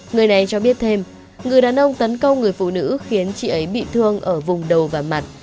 người này cho biết thêm người đàn ông tấn công người phụ nữ khiến chị ấy bị thương ở vùng đầu và mặt